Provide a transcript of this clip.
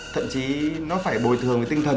thậm chí nó phải bồi thường cái tinh thần